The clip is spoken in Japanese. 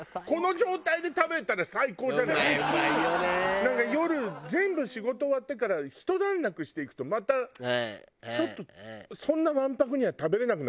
なんか夜全部仕事終わってからひと段落して行くとまたちょっとそんなわんぱくには食べれなくなっちゃってるのよ。